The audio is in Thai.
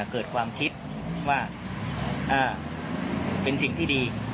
เกิดความคิดว่าเป็นสิ่งที่ดี